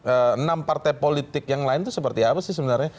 enam partai politik yang lain itu seperti apa sih sebenarnya